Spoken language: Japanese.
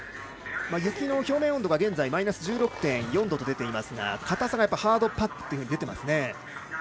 雪の表面温度がマイナス１６．４度と出ていますがかたさがハードパックと出ていますね。